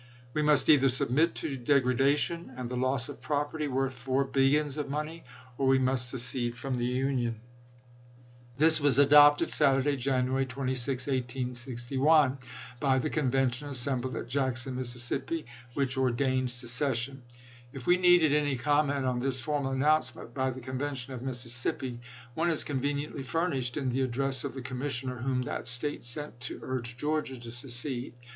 "We must either submit to degradation, and the loss of property worth four billions of money, or we must secede from the Union. 202 ABKAHAM LINCOLN chap. xiii. This was adopted, Saturday, January 26, 1861, by the convention assembled at Jackson, Missis " journal sippi, which ordained secession. If we needed ofcohnveu te any comment on this formal announcement by pp?86, 87.' the convention of Mississippi, one is conveniently furnished in the address of the commissioner whom that State sent to urge Georgia to secede.